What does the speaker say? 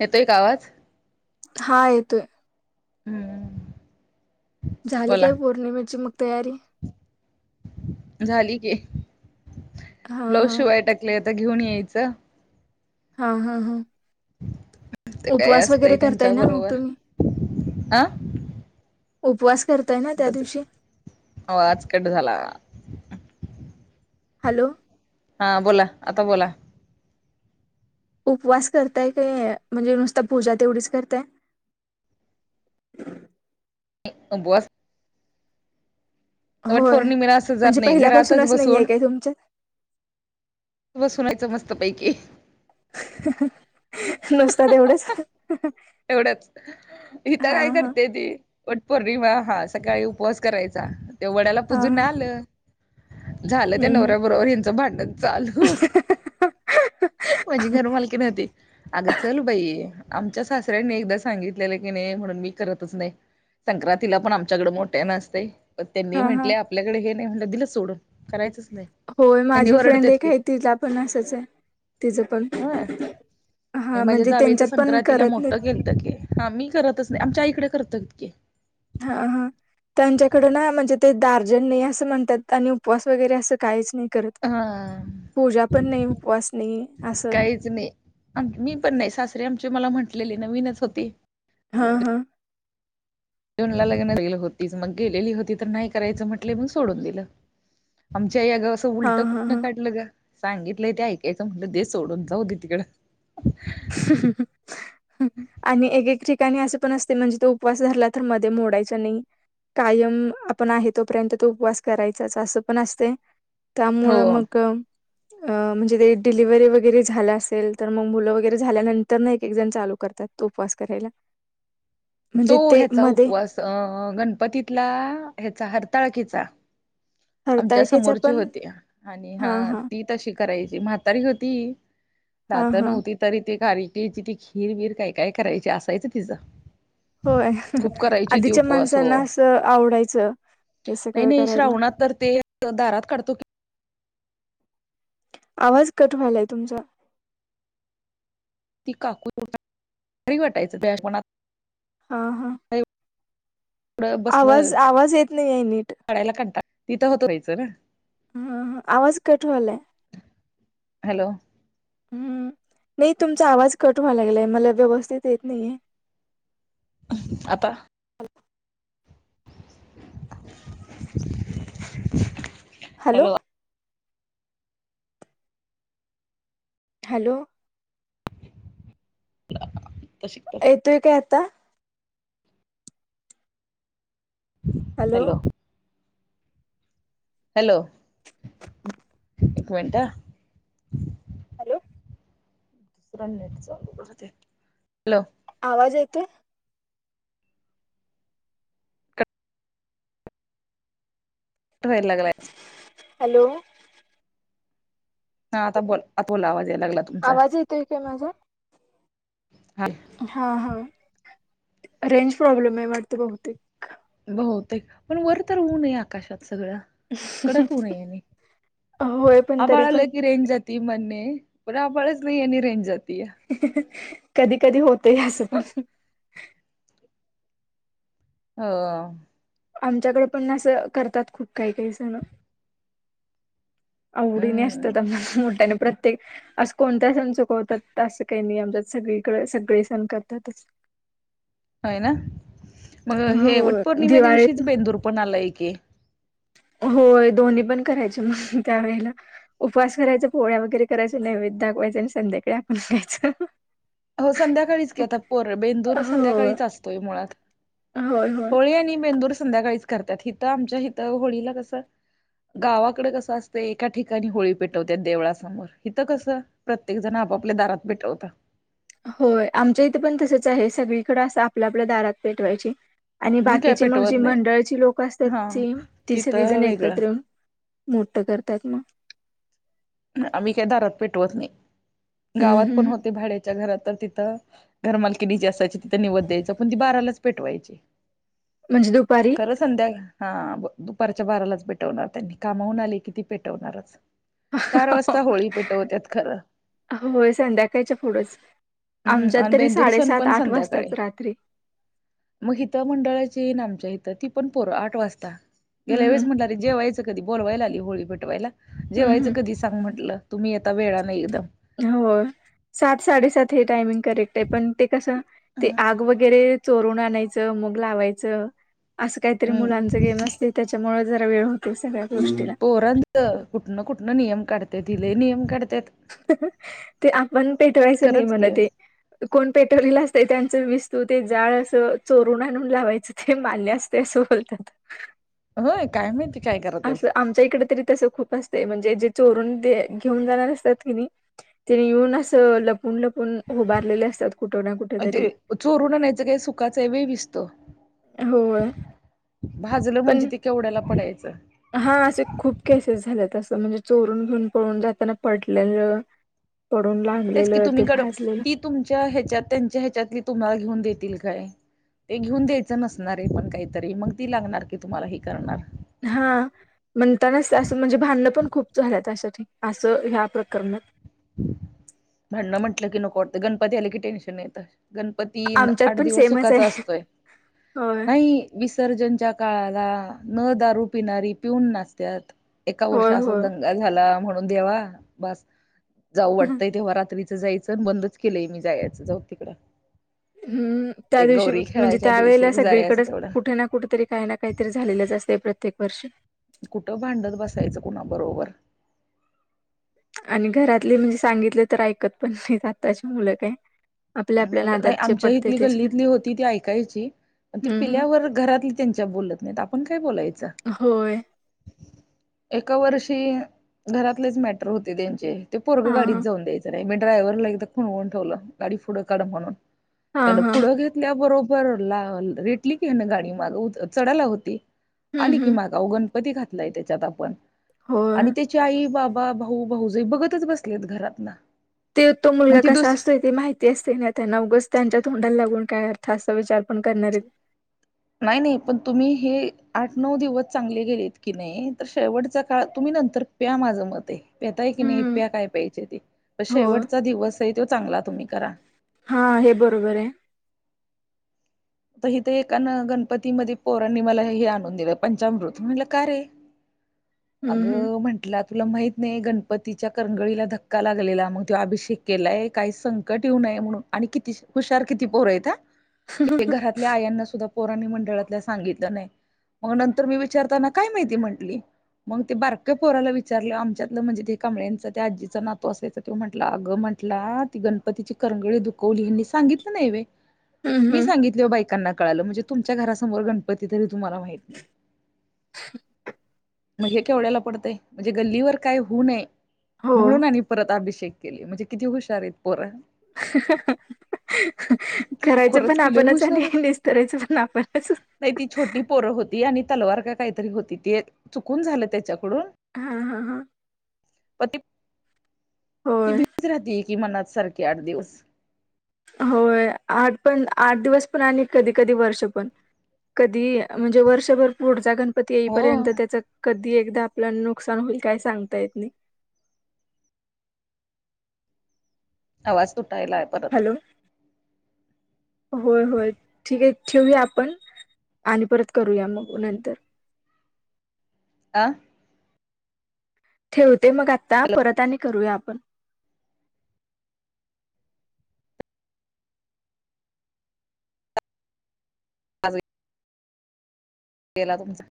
येतोय का आवाज. हा येतोय. हम्म झाली बोला काय पौर्णिमेची मग तयारी. झाली की हा ब्लाऊज हा शिवाय टाकलेत. आता घेऊन यायचं. हा हा हा. ते काय उपवास वगैरे असतंय करताय त्यांच्या ना मग बरोबर तुम्ही अ उपवास. करताय ना त्या दिवशी. आवाज कट झाला हॅलो. हा बोला आता बोला. उपवास करताय काय म्हणजे नुसता पुजा तेवढीच करताय. [inaudible] [unintelligible] वट होय पौर्णिमेला असं जात म्हणजे नाही घरातच पहिल्यापासूनच नाही आहे बसून काय तुमच्यात. बसून हायचं मस्त पैकी. नुसता तेवढंच्. एवढंच इथ काय करते ती वटपौर्णिमा. किंवा हा सकाळी उपवास करायचा ते वडाला हा पुजून हा आलं झालं त्या हम्म हम्म नवऱ्याबरोबर ह्याचं भांडण. माझी घर मालकीन होती अगं चल बाई. आमच्या सासऱ्यांनी एकदा सांगितलेलं की नाही म्हणून मी करतच नाही. संक्रांतीला पण आमच्याकडें मोठ्यान असते. त्यांनी हा हा म्हटले आपल्याकडे हे नाही म्हटलं दिलं सोडून करायचं. होय माझी फ्रेंड एक आहे तिला पण असंच आहे तिचं पण. होय. हा माझ्या म्हणजे जावेच त्यांच्यात पण संक्रांतीला करत नाही मोठ केलत की आम्ही करतच नाही. आमच्या आईकडे करत की. हा हा. त्यांच्याकड ना म्हणजे, ते दार्जन नाही असं म्हणतात आणि उपवास वगैरे असं काहीच नाही. त हा पूजा पण नाही उपवास नाही असं. काहीच नाही. मी पण नाही सासरीे आमची मला म्हटलेली नवीनच होती. हा हा. जूनला लग्नला गेली होतीच. मग गेलेली होती तर नाही करायचं म्हटले मग सोडून दिलं. आमच्या या गाव असं हा उलटं हा कुठन हा. काढलं ग. सांगितलंय ते ऐकायचं म्हटलं ते सोडून जाऊ दे तिकडं. आणि एक एक पाणी असे पण असते म्हणजे तो उपवास रला तर मध्ये मोडायचा नाही. कायम आपण आहे तोपर्यंत तो उपवास करायचाच असं पण असत. त्यामुळे हो मग अअ म्हणजे ते डिलिव्हरी वगैरे झालं असेल तर मग मुलं व झाल्यानंतर ना एक एक जण चालू करतात, तो उपवास करायला. तो म्हणजे ते ह्याचा मध्ये उपवास अ गणपतीतला ह्याचा हरताळखिचा. आमच्या हरताळकेचा समोरची पण होती, आणि हा ती तशी करायची म्हातारी होती, हा दात हा. नव्हती तरी ते कारिकेची ती खीर बीर काय काय करायची, असायचं तिचं. होय, खूप करायची ती आधीच्या उपवास हो माणसांना असं आवडायचं. हे नाही सगळं नाही, करायला श्रावणात तर ते दारात काढतो की आवाज कट व्हायलाय तुमचा? ती काकूठ घरी वाटायचं बनात हा हा. एवढं बसलं आवाज आवाज, येत नाही आहे नीट? काढायला कंटाळा तिथं होतो राहायचं ना? ह हआवाज कट व्हालाय? हॅलो! हम नाही, तुमचा आवाज कट व्हाय लागलाय, मला व्यवस्थित येत नाहीये. आता? [unintelligible] हॅलो! हॅलो! हॅलो येतोय काय आत्ता? हॅलो! हॅलो! एक मिनट ह. हॅलो! दुसरा नेट चालू करते, हॅलो! आवाज यतोय? कट व्हायला लागलाय हॅलो! हा, आता बोल आता बोला आवा आवाज येतोय, काय माझा? हा हा हा, रेंज प्रॉब्लेम आहे वाटत बहुतेक. होतय, पण वर तर ऊन आहे आकाशात. सगळं कडक ऊन आहे आणि होय पण तरी आभाळ पण आलय, कि रेंज जात जाती म्हणे, पण आभाळचं नाही आणि रेंज जाती. कधी कधी होतय, असं पण. हो. आमच्याकडे पणं असं करतात, खूप काही -काही सण. आवडीने हम्म असतात, आम्हाला मोठ्याने प्रत्येक असं कोणता सण चुकवतात असं काही नाही, आमच्यात सगळीकडे सगळे सण करतातच. [inaudible] होय ना, मग हे हो वटपौर्णिमेच्या दिवाळीत दिवशीच बेंदूर पण आलाय की? [unintelligible] होय, दोन्ही पण करायचे, मग त्यावेळेला उपवास करायच पोळ्या वगैरे करायच नैवेद्य दाखवायचा. करायचं आणि संध्याकाळी आपण खायचं [unintelligible] हो संध्याकाळीच की आता पोर बेंदूर हो संध्याकाळीच असतोय मुळात. होय होय होळी आणि बेंदूर संध्याकाळीच करतात, इथं आमच्या इथं होळीला कसं? गावाकडे कसं असतंय एका ठिकाणी होळी पेटवत्यात देवळा समोर इथं कसं प्रत्येक जण आपापल्या दारात पेटवतात. होय, आमच्या इथे पण तसच आहे सगळीकडे असं आपल्या आपल्या दारात पेटवायचे. आणि मी काय बाकीची मग जी पेटवत नाही मंडळाची लोक असतात हा ती तिथं सगळीजण एकत्र वेगळं येऊन मोठ करत्यात म आम्ही काही दारात पेटवत नाही हम्म गावात पण हम्म होते भाड्याच्या घरात तर तिथं घरमालकीनी जी असायची तिथं निवड द्यायच पण ती बारालाच पेटवायची. म्हणजे दुपारी? खरं संध्या हा दुपारच्या बारालाच पेटवणार त्यांनी कामाहून आले किती पेटवणारच. चार वाजता होळी पेटवत्यात खरं. होय संध्याकाळच्या पुढंच हम्म आमच्यात आणि तरी बेंदूर सण साडेसात पण आठ संध्याकाळी वाजतात रात्री. मग हित मंडळ आमच्या इथ ती पण पोर आठ वाजता गेल्या हम्म वेळेस हम्म म्हटल जेवायचं कधी बोलवायला आली होळी ला जेवायचं हम्म कधी सांग म्हटलं तुम्ही येता वेळाने एकदम हो सात साडेसात हे टायमिंग करेक्ट आहे पण ते कस ते आग वगैरे चोरून आणायचं मग लावायचं. असं काहीतरी हम्म मुलांच गेम असते त्याच्यामुळे जरा वेळ होते सगळ्यात पोरांच कुठनं कुठनं नियम काढत्याती लय नियम काढ ते आपण पेटवायचं नाही खरंच की म्हणते. कोण पेट्रोलल असते त्यांच वि तू ते जाळ असं चोरून आणून लावायचं ते माल्या असते असं बोलतात. होय काय माहिती. काय करत्यात असं आमच्या इकडे तरी तसं खूप असत. म्हणजे जे चोरून घेऊन जाणार असतात किनी तिने येऊन अस लपून लपून उभारलेले असतात कुठं ना कुठे अ ते तरी चोरून आनायचं काय सुखाच वेळ विसतो. होय भाजलं म्हणजे पण ते केवड्याला पडायचं. हा असे खूप केसेस झाले तसं म्हणजे चोरून घेऊन पळून जाताना पडलेलं. [inaudible] तेच की लागलेलं तुम्ही ते कड भाजलेलं ती तुमच्या ह्याच्यात त्यांच्या ह्याच्यातली तुम्हाला घेऊन दे का ते घेऊन द्यायच नसणारे पण काहीतरी मग ती लागणार की तुम्हाला ही करणार ती हा म्हणतानाच असं म्हणजे भांण पण खूप झालं त्याशसाठी असं ह्या प्रकरणात. भांडणं म्हंटलं की नको वाटतं गणपती आले कि टेन्शन येत. गणपती आमच्यात आठ पण दिवस सेमच सुखाचा आहे असतोय होय नाही विसर्जनच्या काळात न दारू पिणारी पिऊत नसत्यात वर्ष होय अस होय दंग झाला म्हण देवा बस जाऊ वाटतंय तेव्हा रात्री जायचं बंदच केलंय मी जायचं जाऊ तिकडं. हम्म त्या एक दिवशी गौरी म्हणजे खेळायच्या दिवशी त्यावेळेला एक जायचं सगळीकडेच तेवढं कुठे ना कुठे तरी काही ना काहीतरी झालेलंच असतेय प्रत्येक वर्षी कुठ भांडत बसायचं कुणा बरोबर. आणि घरातले म्हणजे सांगितले तर ऐकत पण नाही आताची मुलं काय. आपल्या आपल्या नाही नादात जे आमच्या पडते इथली तेच गल्लीतली होती ती ऐकायची म ती हम्म पिल्यावर घरातली त्यांच्या बोलत नाहीत आपण काय बोलायचं. [unintelligible] एका वर्षी घरातलीच मॅटर होते त्यांचे पोरग हा गाडीत जाऊन द्यायचं नाहि ड्रायव्हरला एकदा सांगून ठेवलं गाडी पुढे काढ म्हणून हा त्याने हा पुढे घेतल्याबरोबर बर ला रेटली की ना गाडी माग चढायला होती हम्म आली की हम्म मा गाऊगन. म ते घातलाय की होय आणि त्याच्या आई बाप भाऊ भाऊ जय बघतच बसलेत घरातन. ते तो मुलगा कसा असतोय ती माहिती असते ना त्या अ उगच त्यांच्या तोंडाला लागून काय अर्थ असा विचार पण करणारेत. नाही नाही पण तुम्ही हे आठ नऊ दिवस चांगले गेलेत की नाही तर शेवटच्या काळ तुम्ही नंतर प्या माझं मत आहे प्याताय की नाही हम्म प्या काय पाहिजे ते हो शेवटचा दिवस आहे तो चांगला तुम्ही करा. हा हे बरोबर आहे आ हिथ एकानं गणपतीमध्ये पोरांनी मला हे आणून दिलं पंचामृत म्हणलं का रे हम्म अग हम्म म्हंटलं तुला माहित नाही गणपतीच्या करंगळीला धक्का म्हणून आणि किती हुशार किती पोर आहेत हा ते घरातल्या आयांना सुद्धा पोराणी मंडळातल्या सांगितलं नाही मग नंतर मी विचारताना काय माहिती म्हंटली मग ते बारक पोराला विचारलं आमच्यातलं म्हणजे ते कांबळेंचं त्या आजीचं ना तो असायच तेो म्हटलं अगं म्ह म्हंटला ती गणपतीची करंगळी दुखवली यांनी सांगितलं नाही होय हम्म मी हम्म सांगितल बायकांना कळालं म्हणजे तुमच्या घरासमोर गणपती तरी तुम्हाला माहित नाही मग हे केवढ्याला पडतय म्हणजे गल्लीवर काय होऊ नये हो म्हणून आणि परत अभिषेक केले म्हणजे किती हुशार आहेत पोर करायच करायचं खरंच पण की लय आपणच हुशार आणि आहेत. निस्तरायचं पण आपणच नाही ती छोटी पोरं होती तलवार का काहीतरी होती ते चुकून झालं त्याच्याकडून हा हा हा पण ती होय भीतीच राहते की मनात सारखी आठ दिवस होय आठ पण आठ दिवस पण आणि कधी कधी वर्ष पण कधी म्हणजे वर्षभर पुढचा गणपती हो येईपर्यंत त्याच कधी एकदा आपल्या नुकसान होईल काय सांगता येत नाही आवाज तुटायला परत हॅलो होय होय ठीक आहे ठेवया आपण आणि परत करूया मग नंतर आह ठेवते मग आता हॅलो परत आणि करूया आपण अज गेला तुमचा